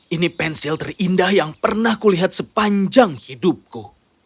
ini pensil terindah yang pernah kulihat sepanjang hidupku